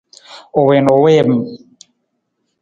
U wii na u wiim.